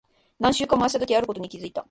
何周か回したとき、あることに気づいた。